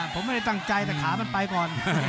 ผมไม่ได้ตั้งใจแต่ขามันไปก่อน